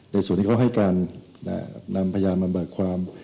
ในส่วนที่เขานำพยานมาบรับความ